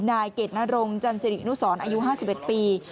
นายเกดนรงจันสิรินุสรอายุ๕๑ปี